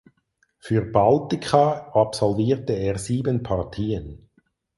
Für Baltika absolvierte er sieben Partien.